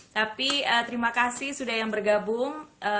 tapi terima kasih sudah yang bergabung